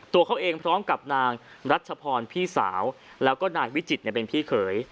ตัวเขาเองพร้อมกับนางรัชพรพี่สาวแล้วก็นายวิจิตเป็นพี่เขย